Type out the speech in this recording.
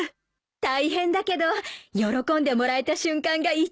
大変だけど喜んでもらえた瞬間が一番うれしいのよ。